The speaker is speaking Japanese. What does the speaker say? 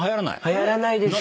はやらないです。